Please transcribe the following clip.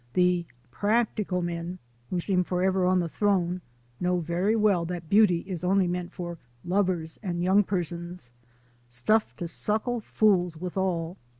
The "practical men," who seem forever on the throne, know very well that beauty is only meant for lovers and young persons — stuff to suckle fools withal.